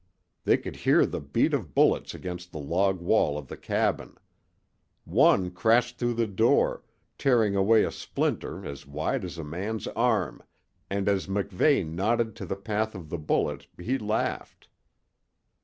They could hear the beat of bullets against the log wall of the cabin. One crashed through the door, tearing away a splinter as wide as a man's arm, and as MacVeigh nodded to the path of the bullet he laughed.